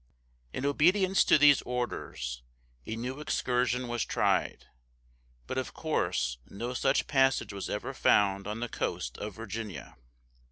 In obedience to these orders, a new excursion was tried, but of course no such passage was ever found on the coast of Virginia.